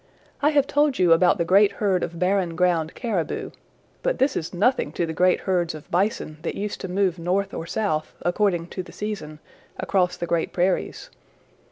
I have told you about the great herd of Barren Ground Caribou, but this is nothing to the great herds of Bison that used to move north or south, according to the season, across the great prairies.